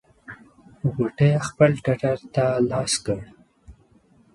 غوټۍ خپل ټټر ته لاس کړ.